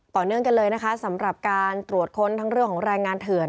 ต่อเนื่องกันเลยนะคะสำหรับการตรวจค้นทั้งเรื่องของแรงงานเถื่อน